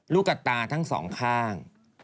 ลูกกับตาทั้งสองข้าง